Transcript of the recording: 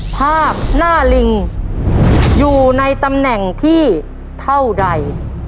ภาพหน้าลิงอยู่ในตำแหน่งที่เท่าใด